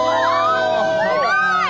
すごい！